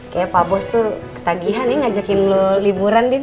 kayaknya pak bos tuh ketagihan ya ngajakin lo liburan din